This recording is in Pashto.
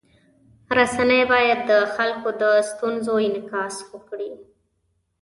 رسنۍ باید د خلکو د ستونزو انعکاس وکړي.